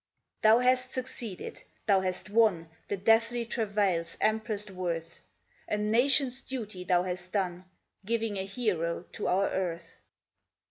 Thou hast succeeded, thou hast won The deathly travail's amplest worth; A nation's duty thou hast done, Giving a hero to our earth.